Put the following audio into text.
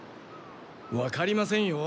わかりませんよ。